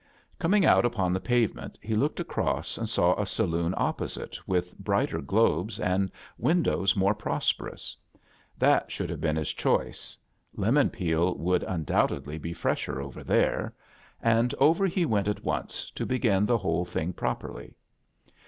Coming out upon the pavement, he looked across and saw a saloon opposite with brighter globes and windows more prosperous. That should have been his choice; lemon peel would un doubtedly be fresher over there; and over 37 A JOURNEY IN SEARCH OF CHRISTMAS he went at once, to begin the whole thh^ properly.